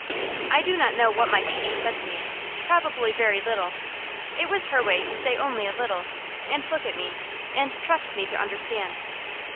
I do not know what my teacher said to me; probably very little. It was her way to say only a little, and look at me, and trust me to understand.